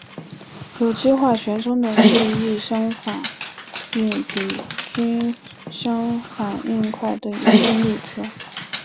有机化学中的是异相反应比均相反应快的一个例子。